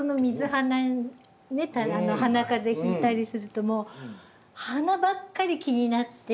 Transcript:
鼻かぜひいたりするともう鼻ばっかり気になって。